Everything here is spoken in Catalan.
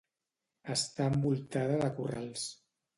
Està envoltada de corrals.